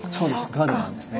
ガードマンですね。